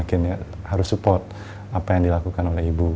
makin makin harus support apa yang dilakukan oleh ibu